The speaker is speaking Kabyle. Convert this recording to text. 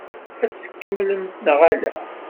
Ad t-tkemmlem neɣ ala?